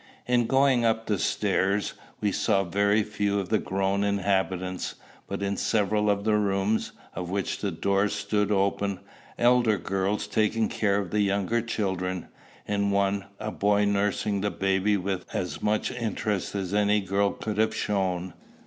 In going up the stairs, we saw very few of the grown inhabitants, but in several of the rooms, of which the doors stood open, elder girls taking care of the younger children; in one, a boy nursing the baby with as much interest as any girl could have shown.